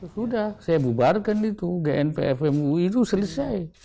sudah saya bubarkan itu gnpfmu itu selesai